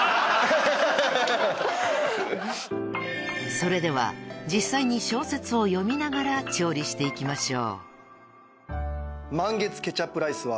［それでは実際に小説を読みながら調理していきましょう］